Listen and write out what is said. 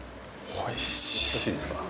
おいしいですか？